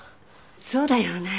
そうだよね。